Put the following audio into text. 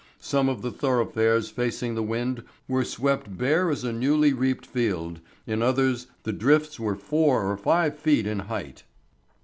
Some of the thoroughfares facing the wind were swept bare as a newly reaped field, in others the drifts were four or five feet in height.